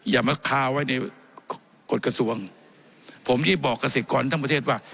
อย่ามาคาไว้ในกฎกระทรวงผมที่บอกเกษตรกรทั้งประเทศว่า